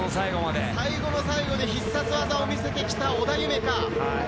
最後の最後に必殺技を見せてきた織田夢海。